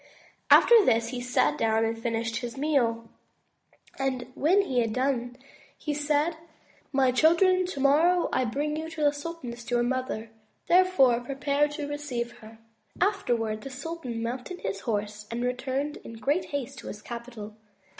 '' After this, he sat down again and finished his meal, and when he had done, he said, "My children, tomorrow I will bring to you the sultaness, your mother. Therefore prepare to receive her." Afterwards the sultan mounted his horse and returned in great haste to his capital.